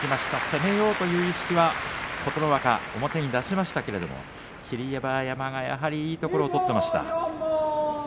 攻めようという意識は琴ノ若、表に出しましたが霧馬山が、やはりいいところを取っていました。